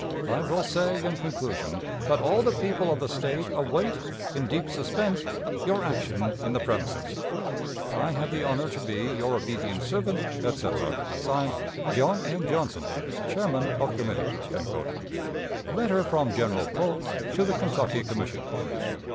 "I will say, in conclusion, that all the people of the State await, in deep suspense, your action in the premises. "I have the honor to be, your obedient servant, etc., (Signed) "John M. Johnson, "Chairman of Committee." _Letter from General Polk to the Kentucky Commissioners.